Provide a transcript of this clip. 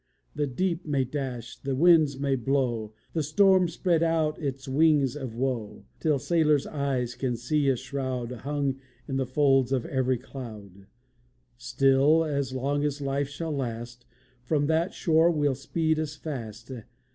The deep may dash, the winds may blow, The storm spread out its wings of woe, Till sailors' eyes can see a shroud Hung in the folds of every cloud; Still, as long as life shall last, From that shore we'll speed us fast.